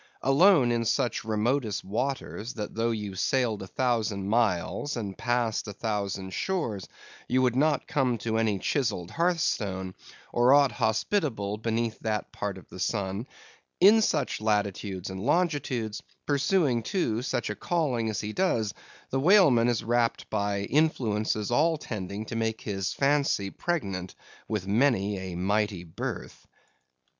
Alone, in such remotest waters, that though you sailed a thousand miles, and passed a thousand shores, you would not come to any chiseled hearth stone, or aught hospitable beneath that part of the sun; in such latitudes and longitudes, pursuing too such a calling as he does, the whaleman is wrapped by influences all tending to make his fancy pregnant with many a mighty birth.